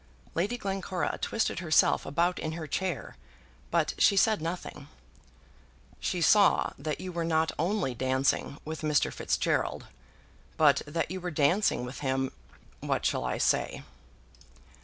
Lady Glencora twisted herself about in her chair, but she said nothing. "She saw that you were not only dancing with Mr. Fitzgerald, but that you were dancing with him, what shall I say?"